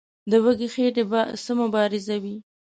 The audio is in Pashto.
د وږي خېټې به څه مبارزه وي.